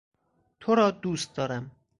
تورا دوست دارم.